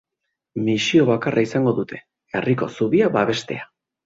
Misio bakarra izango dute: herriko zubia babestea.